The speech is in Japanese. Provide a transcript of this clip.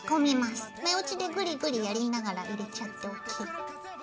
目打ちでグリグリやりながら入れちゃってＯＫ。